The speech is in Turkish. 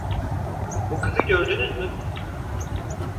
Bu kızı gördünüz mü?